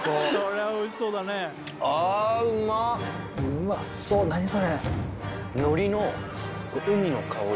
うまそう何それ！